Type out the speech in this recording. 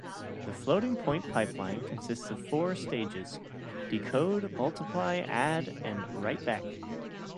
The floating point pipeline consists of four stages, "decode", "multiply", "add" and "writeback".